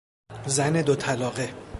زن دوطلاقه